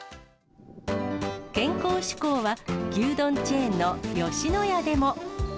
健康志向は、牛丼チェーンの吉野家でも。